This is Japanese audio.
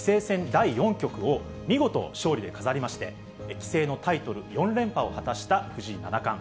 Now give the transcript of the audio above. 第４局を、見事、勝利で飾りまして、棋聖のタイトル４連覇を果たした藤井七冠。